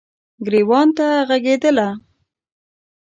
ګریوان ته ږغیدله